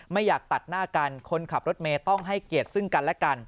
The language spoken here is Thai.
ไม่อยากตัดหน้ากันคนขับรถเมย์ต้องให้เกียรติซึ่งกันและกัน